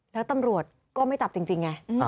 แล้วตำรวจก็ไม่จับจริงไง